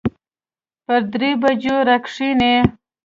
پر دريو بجو راکښېني.